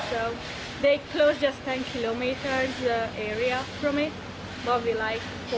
jadi kita tidak perlu takut sampai kita menonton berita yang mereka beritahu